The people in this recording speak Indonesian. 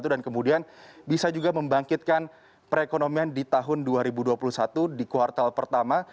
dan kemudian bisa juga membangkitkan perekonomian di tahun dua ribu dua puluh satu di kuartal pertama